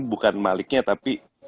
bukan maliknya tapi